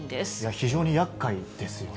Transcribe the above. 非常にやっかいですよね。